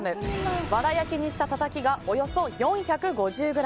わら焼きにしたたたきがおよそ４５０ｇ。